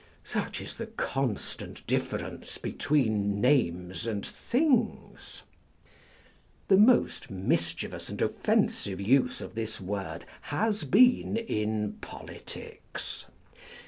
Such is the constant difference between names and things ! The most mischievous and offensive use of this word has been in politics.